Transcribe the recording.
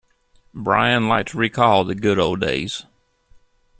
Brian liked to recall the good old days.